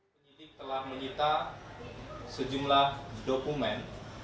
penyidik telah menyita sejumlah dokumen